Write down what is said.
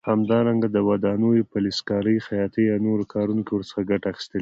همدارنګه د ودانیو، فلزکارۍ، خیاطۍ او نورو کارونو کې ورڅخه ګټه اخلي.